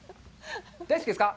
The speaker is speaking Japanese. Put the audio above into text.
大好きですか。